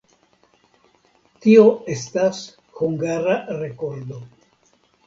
Tio estas hungara rekordo.